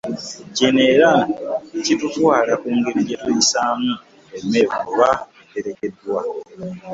Kino era kitutwala ku ngeri gye tuyisaamu emmere eba eterekeddwa.